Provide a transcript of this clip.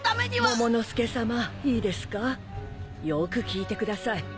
モモの助さまいいですかよく聞いてください。